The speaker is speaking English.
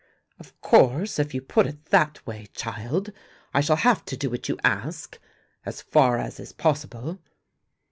"Of course, if you put it that way, child, I shall have to do what you ask, as far as is possible."